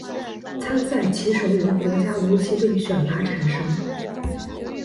参赛棋手由国家围棋队选拔产生。